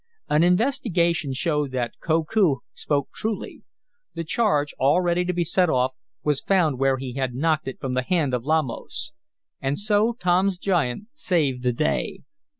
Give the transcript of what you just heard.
An investigation showed that Koku spoke truly. The charge, all ready to set off, was found where he had knocked it from the hand of Lamos. And so Tom's giant saved the day.